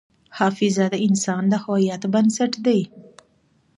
حافظه د انسان د هویت بنسټ ده.